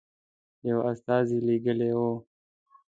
یو استازی لېږلی وو.